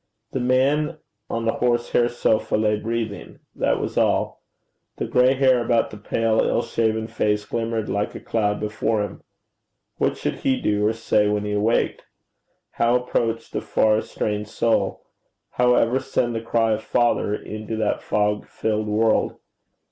The man on the horsehair sofa lay breathing that was all. The gray hair about the pale ill shaven face glimmered like a cloud before him. What should he do or say when he awaked? How approach this far estranged soul? How ever send the cry of father into that fog filled world?